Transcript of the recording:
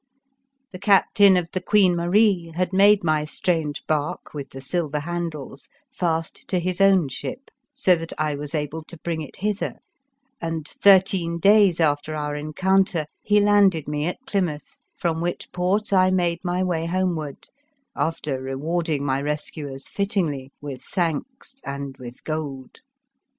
The captain of the Queen Marie had made my strange barque with the silver handles fast to his own ship, so that I was able to bring it hither, and, thirteen days after our encounter, he landed me at Ply mouth, from which port I made my way homeward, after rewarding my rescuers fittingly with thanks and with gold.